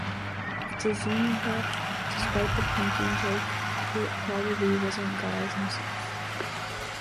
It's assumed that, despite the punk in-joke, it probably wasn't Giles himself.